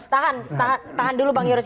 tahan tahan dulu bang yoris